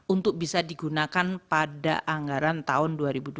untuk bisa digunakan pada anggaran tahun dua ribu dua puluh